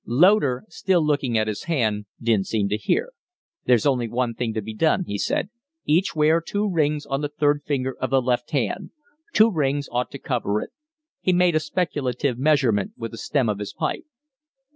Loder, still looking at his hand, didn't seem to hear. "There's only one thing to be done," he said. "Each wear two rings on the third finger of the left hand. Two rings ought to cover it." He made a speculative measurement with the stem of his pipe.